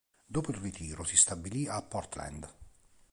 Dopo il ritiro si stabilì a Portland.